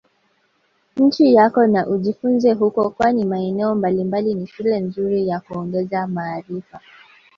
nchi yako na ujifunze huko kwani maeneo mbalimbali ni shule nzuri ya kuongeza maarifa